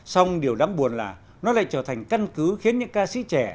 xong điều đáng buồn là nó lại trở thành căn cứ khiến những ca sĩ trẻ